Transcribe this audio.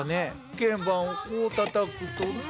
けん盤をこうたたくとな。